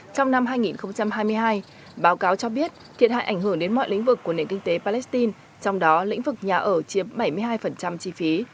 trong năm hai nghìn hai mươi hai báo cáo cho biết thiệt hại ảnh hưởng đến mọi lĩnh vực của nền kinh tế palestine trong đó lĩnh vực nhà ở chiếm bảy mươi hai chi phí